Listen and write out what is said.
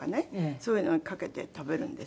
そういうのにかけて食べるんです。